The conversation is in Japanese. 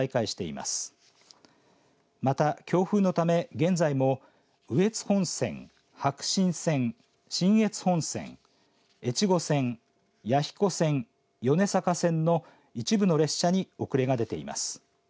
また、強風のため現在も羽越本線、白新線信越本線、越後線弥彦線、米坂線の一部の列車に遅れが出ています。